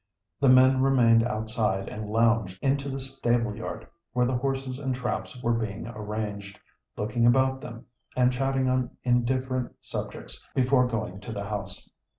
The men remained outside and lounged into the stable yard, where the horses and traps were being arranged, looking about them, and chatting on indifferent subjects before going to the house.